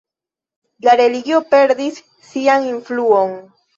La religio perdis sian influon.